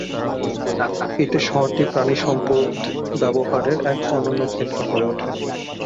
এতে শহরটি পানিসম্পদ ব্যবহারের এক অনন্য ক্ষেত্র হয়ে ওঠে।